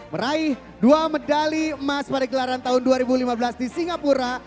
meraih dua medali emas pada gelaran tahun dua ribu lima belas di singapura